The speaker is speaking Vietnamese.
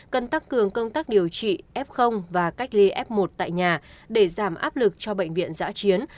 cần tăng cường công tác điều trị f và cách ly f một tại nhà để giảm áp lực cho bệnh viện giã chiến